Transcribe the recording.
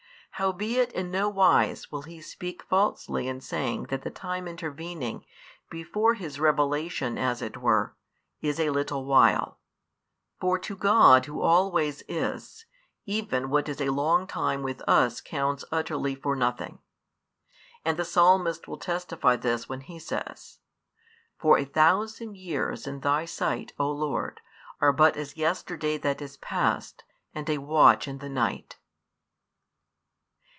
Howbeit in no wise will He speak falsely in saying that the time intervening, before His Revelation as it were, is a little while. For to God Who always is, even what is a long time with us counts utterly for nothing; and the Psalmist will testify this when he says: For a thousand years in Thy sight, O Lord, are but as yesterday that is past, and a watch in the night.